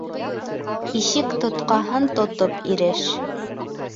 Ишек тотҡаһын тотоп иреш.